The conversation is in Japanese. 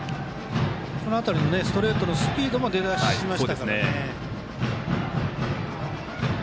この辺り、ストレートのスピードも出だしましたね。